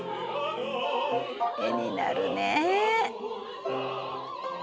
絵になるね。